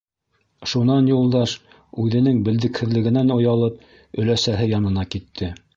Шунан Юлдаш, үҙенең белдекһеҙлегенән оялып, өләсәһе янына китте.